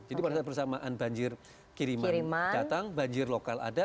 jadi pada saat bersamaan banjir kiriman datang banjir lokal ada